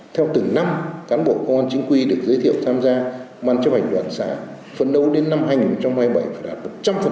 theo từng năm cán bộ công an chính quy được giới thiệu tham gia ban chấp hành đoàn xã phân đấu đến năm hai nghìn hai mươi bảy phải đạt một trăm linh